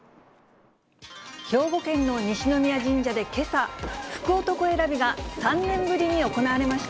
兵庫県の西宮神社でけさ、福男選びが３年ぶりに行われました。